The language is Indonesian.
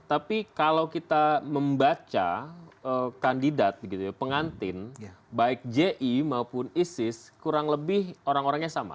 tapi kalau kita membaca kandidat pengantin baik ji maupun isis kurang lebih orang orangnya sama